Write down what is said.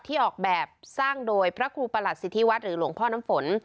ออกแบบสร้างโดยพระครูประหลัสสิทธิวัฒน์หรือหลวงพ่อน้ำฝน